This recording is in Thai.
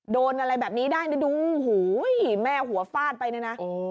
โดนอะไรแบบนี้ได้นะดูโอ้โหแม่หัวฟาดไปเนี่ยนะ